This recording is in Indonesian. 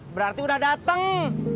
berarti udah dateng